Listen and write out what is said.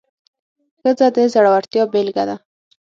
ښځه د زړورتیا بیلګه ده.